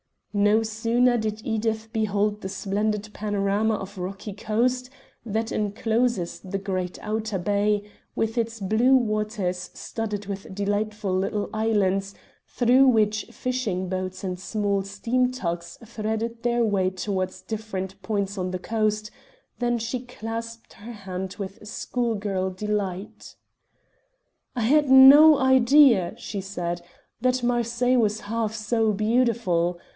No sooner did Edith behold the splendid panorama of rocky coast that encloses the great outer bay, with its blue waters studded with delightful little islands, through which fishing boats and small steam tugs threaded their way towards different points on the coast, than she clapped her hands with schoolgirl delight. "I had no idea," she cried, "that Marseilles was half so beautiful.